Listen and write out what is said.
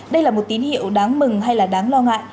đây là một tín hiệu đáng mừng hay là đáng lo ngại